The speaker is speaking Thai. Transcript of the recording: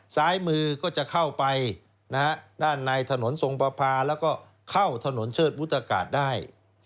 ซ้ายมือก็จะเข้าไปด้านในถนนทรงประพาแล้วก็เข้าถนนเชิดวุฒากาศได้